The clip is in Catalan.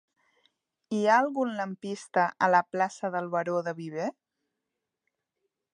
Hi ha algun lampista a la plaça del Baró de Viver?